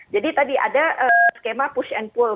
jadi tadi ada skema push and pull